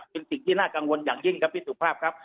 เป็นสิ่งที่น่ากังวลอย่างยิ่งครับพี่สุภาพครับ